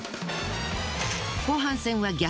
後半戦は逆。